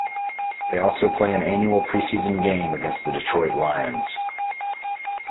They also play an annual preseason game against the Detroit Lions.